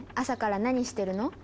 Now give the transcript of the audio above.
朝から何してるの？